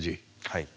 はい。